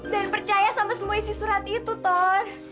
dan percaya sama semua isi surat itu tony